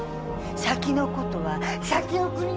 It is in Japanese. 先のことは先送り。